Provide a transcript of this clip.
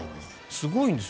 すごいんです。